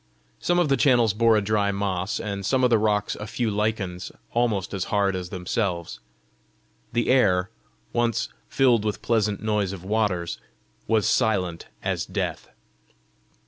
Some of the channels bore a dry moss, and some of the rocks a few lichens almost as hard as themselves. The air, once "filled with pleasant noise of waters," was silent as death.